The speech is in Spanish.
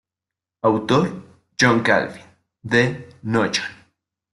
Autor, John Calvin, De Noyon.